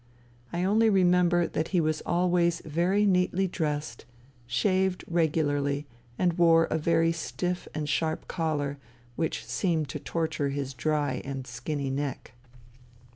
I only remember that he was always very neatly dressed, shaved regularly and wore a very stiff and sharp collar which seemed to torture his dry and skinny neck.